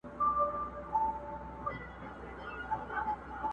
یا بارېږه زما له سرایه زما له کوره.